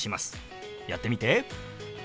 やってみて。